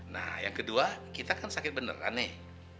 nah yang kedua kita kan sakit beneran nih